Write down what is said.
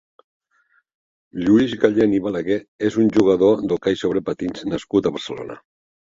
Lluís Gallén i Balaguer és un jugador d'hoquei sobre patins nascut a Barcelona.